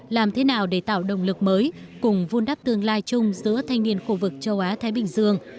làm thế nào để tạo động lực mới cùng vun đắp tương lai chung giữa thanh niên khu vực châu á thái bình dương